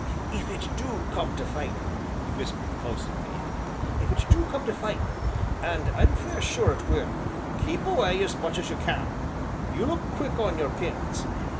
"If it do come to fightin'," he whispered close in my ear, "if it do come to fightin', and I'm fair sure it will, keep away as much as you can; you look quick on your pins.